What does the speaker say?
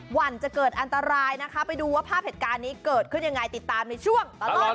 วันจะเกิดอันตรายนะคะไปดูว่าภาพเหตุการณ์นี้เกิดขึ้นยังไงติดตามในช่วงตลอด